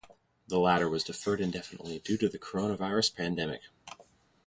The latter was deferred indefinitely due to the Coronavirus pandemic.